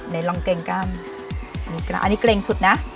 ลองเกรงกล้ามอันนี้เกรงสุดนะ